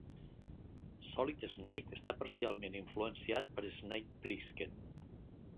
Solid Snake està parcialment influenciat per Snake Plissken.